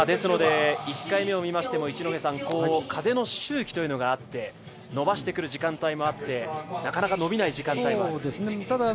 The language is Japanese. １回目を見ましても、風の周期というのがあって伸ばしてくる時間帯もあって、なかなか伸びない時間帯もあって。